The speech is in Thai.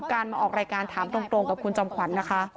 การมาออกรายการถามตรงกับคุณจอมขวัญนะคะ